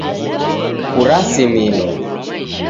Kurasimilo